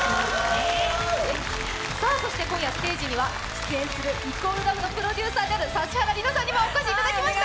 そして今夜、ステージには出演する＝ＬＯＶＥのプロデューサーである指原莉乃さんにもお越しいただきました。